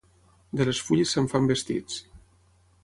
De les fulles se'n fan vestits.